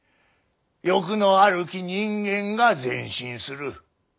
欲のあるき人間が前進する。